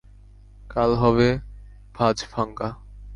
কাল হবে ভাঁজ ভাঙা।